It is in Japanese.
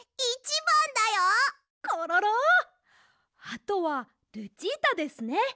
あとはルチータですね。